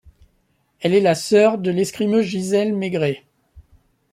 Elle est la sœur de l'escrimeuse Gisèle Meygret.